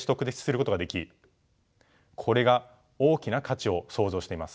これが大きな価値を創造しています。